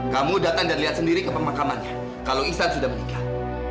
kamu datang dan lihat sendiri ke pemakamannya kalau ihsan sudah menikah